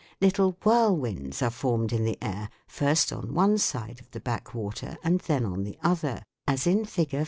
Little whirlwinds are formed in the air, first on one side of the backwater and then on the other, as in Fig.